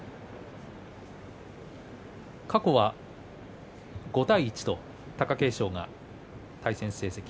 過去は５対１貴景勝が対戦成績。